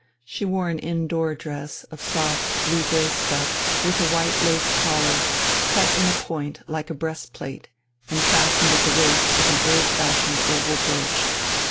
She wore an indoor dress of soft blue grey stuff with a white lace collar, cut in a point like a breast plate and fastened at the waist with an old fashioned oval brooch.